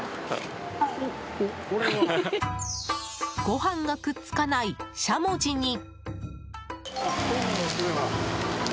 ご飯がくっつかないしゃもじに。